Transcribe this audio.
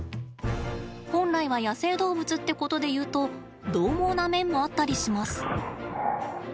本来は野生動物ってことでいうと獰猛な面もあったりします。